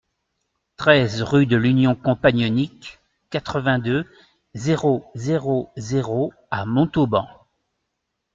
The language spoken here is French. treize rue de l'Union Compagnonnique, quatre-vingt-deux, zéro zéro zéro à Montauban